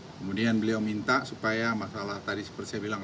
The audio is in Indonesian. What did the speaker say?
kemudian beliau minta supaya masalah tadi seperti saya bilang